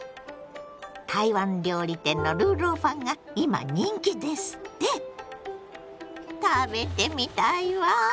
台湾料理店の魯肉飯が今人気ですって⁉食べてみたいわ。